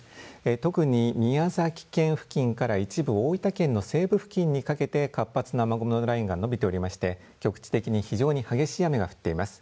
特に宮崎県付近から一部大分県の西部付近にかけて活発な雨雲のラインが延びておりまして局地的に非常に激しい雨が降ってます。